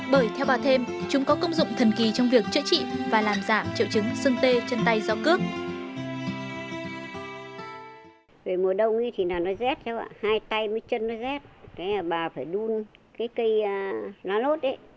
bởi theo bà thêm chúng có công dụng thần kỳ trong việc chữa trị và làm giảm triệu chứng sưng tê chân tay do cước